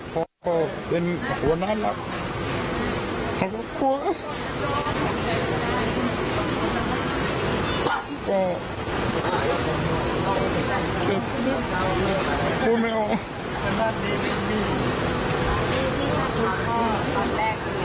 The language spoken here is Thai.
ที่พี่นับมาก็ตอนแรกคืนนี้แหละครับ